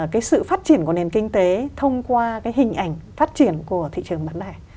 cái sự phát triển của nền kinh tế thông qua cái hình ảnh phát triển của thị trường bán lẻ